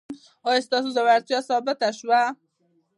ایا ستاسو زړورتیا ثابته شوه؟